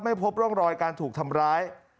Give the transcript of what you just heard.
พบร่องรอยการถูกทำร้าย